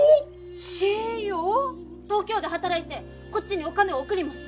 東京で働いてこっちにお金を送ります。